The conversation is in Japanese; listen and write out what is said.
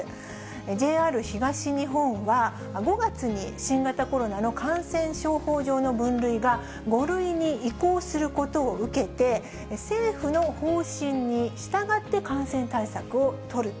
ＪＲ東日本は、５月に新型コロナの感染症法上の分類が５類に移行することを受けて、政府の方針に従って、感染対策を取ると。